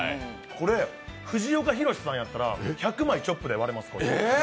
これ、藤岡弘、さんやったら１００枚チョップで割れます。